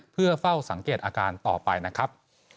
เพื่อเฝ้าสังเกตอาการต่อไปนะครับ